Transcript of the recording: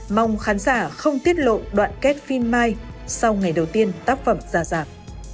mong khán giả không tiết lộ đoạn kết phim mai sau ngày đầu tiên tác phẩm ra dạp